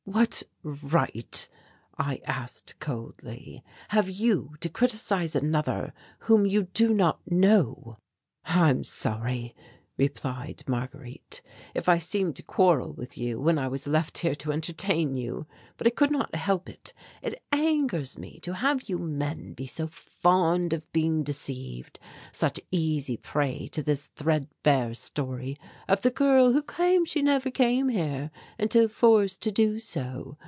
"What right," I asked coldly, "have you to criticize another whom you do not know?" "I am sorry," replied Marguerite, "if I seem to quarrel with you when I was left here to entertain you, but I could not help it it angers me to have you men be so fond of being deceived, such easy prey to this threadbare story of the girl who claims she never came here until forced to do so.